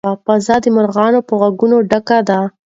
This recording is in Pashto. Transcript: فضا د مرغانو په غږونو ډکه ده.